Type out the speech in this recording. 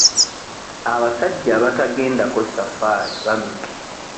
Abasajja abatagendako safaali bamenya.